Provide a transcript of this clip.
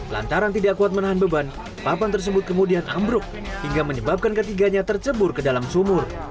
lantaran tidak kuat menahan beban papan tersebut kemudian ambruk hingga menyebabkan ketiganya tercebur ke dalam sumur